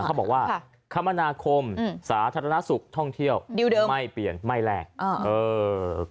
เขาบอกว่าคมนาคมสาธารณสุขท่องเที่ยวไม่เปลี่ยนไม่แลกอ่าเออ